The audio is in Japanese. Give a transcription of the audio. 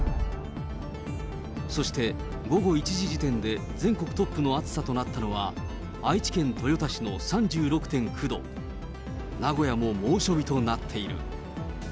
そして、午後１時時点で全国トップの暑さとなったのは、愛知県豊田市の３６．９度、名古屋も猛暑日となっている。